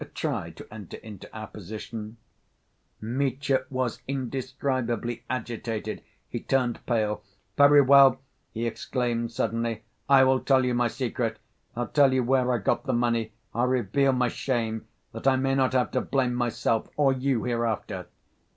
Try to enter into our position ..." Mitya was indescribably agitated. He turned pale. "Very well!" he exclaimed suddenly. "I will tell you my secret. I'll tell you where I got the money!... I'll reveal my shame, that I may not have to blame myself or you hereafter."